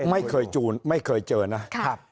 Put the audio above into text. ไม่เคยจูนไม่เคยเจอนะครับ